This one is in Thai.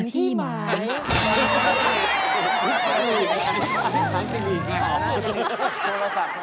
มาซิรินดูนะ